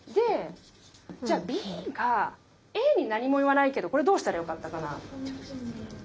じゃあＢがＡに何も言わないけどこれどうしたらよかったかな。